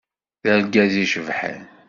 D argaz icebḥen.